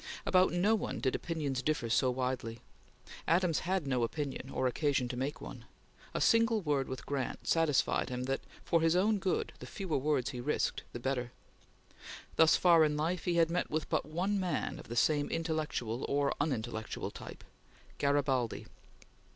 About no one did opinions differ so widely. Adams had no opinion, or occasion to make one. A single word with Grant satisfied him that, for his own good, the fewer words he risked, the better. Thus far in life he had met with but one man of the same intellectual or unintellectual type Garibaldi.